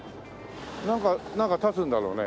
なんかなんか建つんだろうね。